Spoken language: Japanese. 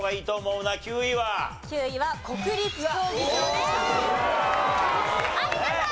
９位は国立競技場でした。